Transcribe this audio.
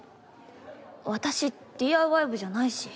私ＤＩＹ部じゃないし。